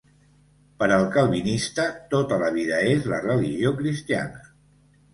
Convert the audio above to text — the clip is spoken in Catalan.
Per al calvinista, tota la vida és la religió cristiana.